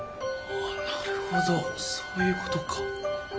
あっなるほどそういうことか。